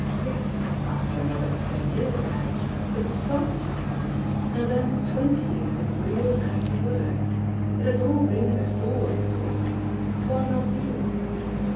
Yes after another ten years, perhaps but some time! And then twenty years of real, happy work. It has all been before, this sort of thing. Why not you?"